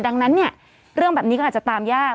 ดังนั้นเนี่ยเรื่องแบบนี้ก็อาจจะตามยาก